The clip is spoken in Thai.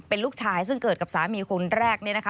เป็นลูกชายซึ่งเกิดกับสามีคนแรก